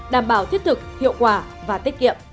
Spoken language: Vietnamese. đảm bảo thiết thực hiệu quả và tiết kiệm